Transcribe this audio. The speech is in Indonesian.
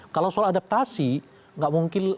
kalau soal adaptasi nggak mungkin